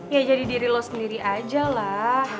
ya jadi diri lo sendiri aja lah